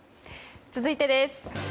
続いてです。